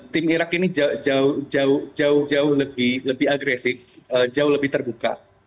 tim irak ini jauh jauh lebih agresif jauh lebih terbuka